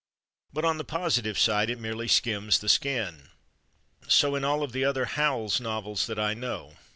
But on the positive side it merely skims the skin. So in all of the other Howells novels that I know.